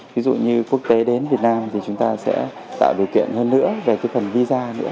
ví dụ như quốc tế đến việt nam thì chúng ta sẽ tạo điều kiện hơn nữa về cái phần visa nữa